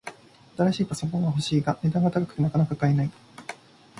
新しいパソコンが欲しいが、値段が高くてなかなか買えない